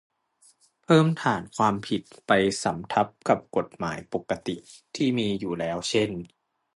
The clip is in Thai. เพิ่มฐานความผิดไปสำทับกับกฎหมายปกติที่มีอยู่แล้วเช่น